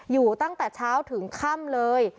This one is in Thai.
อยู่ตั้งแต่เช้าถึงค่ำเลย